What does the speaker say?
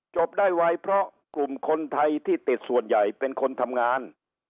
จบได้ไวเพราะกลุ่มคนไทยที่ติดส่วนใหญ่เป็นคนทำงาน